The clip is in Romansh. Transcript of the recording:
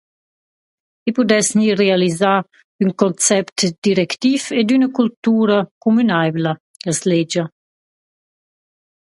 I pudess gnir realisà ün concept directiv ed üna cultura cumünaivla, as legia.